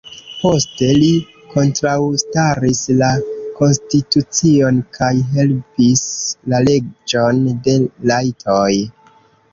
Poste, li kontraŭstaris la konstitucion kaj helpis la leĝon de rajtoj.